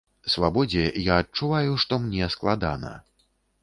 Свабодзе, я адчуваю, што мне складана.